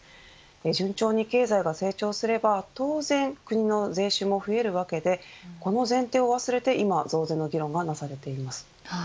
順調に経済が成長すれば当然国の税収も増えるわけでこの前提を忘れて今は増税の議論がされています。